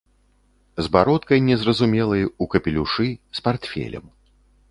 З бародкай незразумелай, у капелюшы, з партфелем.